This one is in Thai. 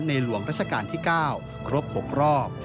หลวงราชการที่๙ครบ๖รอบ